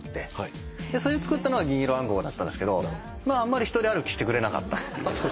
それで作ったのが『銀色暗号』だったんですけどあんまり一人歩きしてくれなかったっていう。